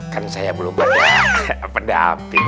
kan saya belum ada pendamping